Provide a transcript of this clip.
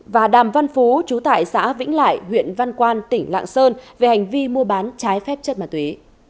và đàm văn phú chú tại xã vĩnh lại huyện văn quan tỉnh lạng sơn về hành vi mua bán trái phép chất ma túy